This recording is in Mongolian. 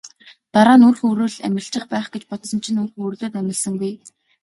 Дараа нь үр хөврөл амилчих байх гэж бодсон чинь үр хөврөлүүд амилсангүй.